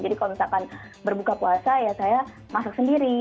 jadi kalau misalkan berbuka puasa ya saya masak sendiri